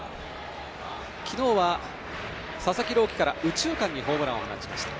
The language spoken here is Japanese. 昨日は佐々木朗希から右中間にホームランを放ちました。